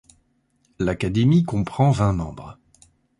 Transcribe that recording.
L'Académie comprend vingt membres.